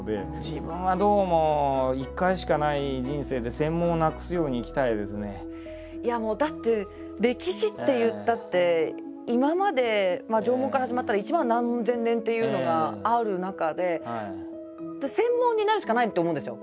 自分はいやもうだって歴史っていったって今まで縄文から始まったら１万何千年っていうのがある中で専門になるしかないって思うんですよ